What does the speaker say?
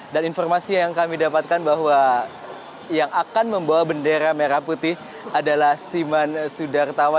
dan informasi yang kami dapatkan bahwa yang akan membawa bendera merah putih adalah simon sudartawa